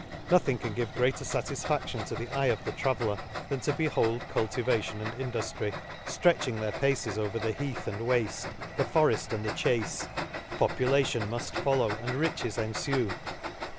Nothing can give greater fatisfadion to the eye of the traveller, than to behold cultivation and induftry flretching their paces over the heath and wafte, the foreft and the chace ;— population muft follow, and riches enfue.